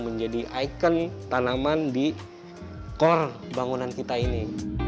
menjadi ikon tanaman di core bangunan kita ini